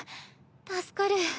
助かる。